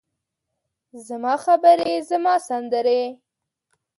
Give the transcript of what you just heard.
زما خبرې، زما سندرې،